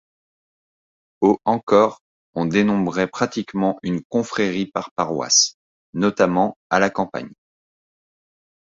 Au encore, on dénombrait pratiquement une confrérie par paroisse, notamment à la campagne.